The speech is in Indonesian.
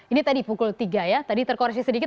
ini tadi pukul tiga ya tadi terkoreksi sedikit